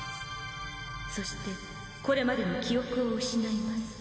そしてこれまでの記憶を失います。